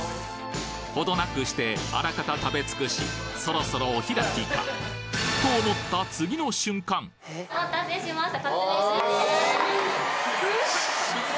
ほどなくしてあらかた食べ尽くしそろそろお開きかと思ったお待たせしました。